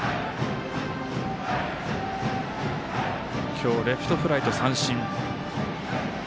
今日、レフトフライと三振。